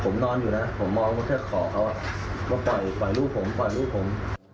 ผมนอนอยู่นะผมมองเมื่อแค่ขอเขาเขาบ่อยลูกผม